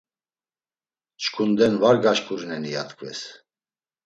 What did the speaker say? Çkunden var gaşkurineni? ya tkves.